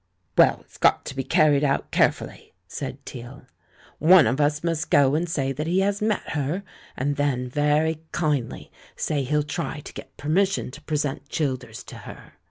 "Well, it's got to be carried out carefully," said Teale; "one of us must go and say that he has met her ; and then, very kindly, say he'll try to get permission to present Childers to her.